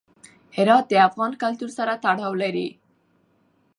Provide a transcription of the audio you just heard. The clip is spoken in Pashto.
هرات د افغان کلتور سره تړاو لري.